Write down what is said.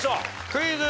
クイズ。